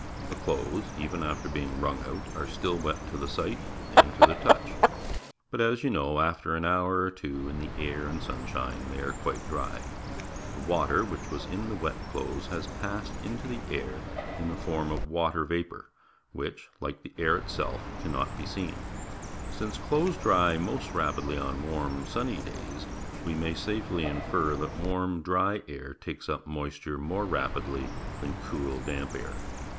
The clothes, even after benig wrung out, are still wet to the sight and to the touch, feut, as you know, after an hour or two in the air and sunshine, they are quite dry. The_ water which was in the wet clothes has passed into the air in the form of loater vapour, which, like the air itself, cannot be seen. Since 42 PUBLIC SCHOOL GEOGRAPHY clothes dry most rapidly on warm, dry days, we may safely infer that warm, dry air takes up moisture more rapidly than cool, damp air.